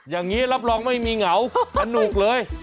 อย่างนี้รับรองไม่มีเหงาสนุกเลย